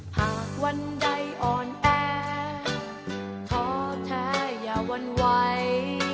หากวันใดอ่อนแอท้อแท้อย่าวั่นไหว